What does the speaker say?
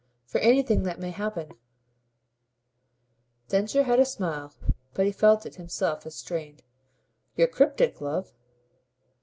"For anything that may happen." Densher had a smile, but he felt it himself as strained. "You're cryptic, love!"